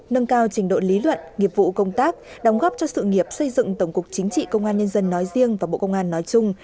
nâng cao trình độ lý luận nghiệp vụ công tác đóng góp cho sự nghiệp xây dựng tổng cục chính trị công an nhân dân nói riêng và bộ công an nói chung